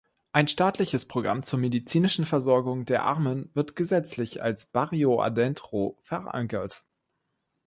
Ein staatliches Programm zur medizinischen Versorgung der Armen wird gesetzlich als "barrio adentro" verankert.